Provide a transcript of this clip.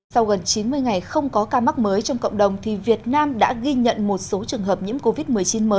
sau gần chín mươi ngày không có ca mắc mới trong cộng đồng thì việt nam đã ghi nhận một số trường hợp nhiễm covid một mươi chín mới